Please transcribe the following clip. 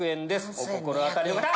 お心当たりの方！